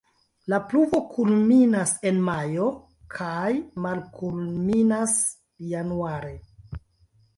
La pluvo kulminas en majo kaj malkulminas januare.